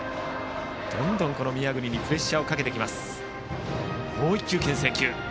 どんどん宮國にプレッシャーをかけていきます。